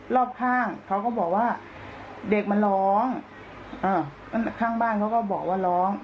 รอบข้างเขาก็บอกว่าเด็กมันร้องข้างบ้านเขาก็บอกว่าร้อง